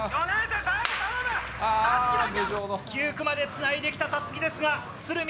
９区までつないできたたすきですが、鶴見